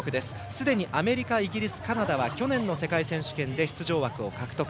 すでにアメリカ、イギリス、カナダは去年の世界選手権で出場枠を獲得。